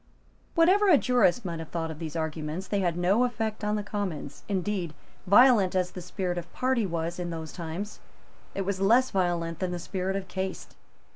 Whatever a jurist might have thought of these arguments, they had no effect on the Commons. Indeed, violent as the spirit of party was in those times, it was less violent than the spirit of caste.